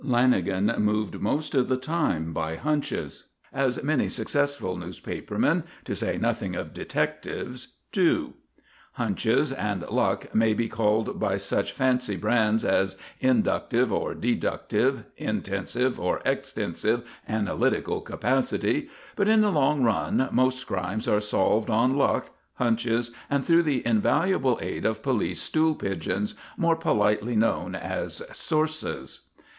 Lanagan moved most of the time by "hunches," as many successful newspaper men to say nothing of detectives do. Hunches and luck may be called by such fancy brands as inductive or deductive, intensive or extensive analytical capacity; but in the long run most crimes are solved on luck, hunches, and through the invaluable aid of police "stool pigeons," more politely known as "sources."